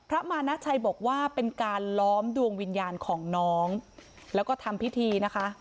มานะชัยบอกว่าเป็นการล้อมดวงวิญญาณของน้องแล้วก็ทำพิธีนะคะ